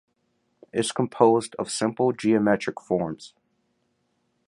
It’s composed of simple geometric forms.